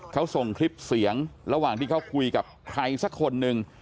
เขาส่งคลิปเสียงระหว่างที่เขาคุยกับใครสักคนหนึ่ง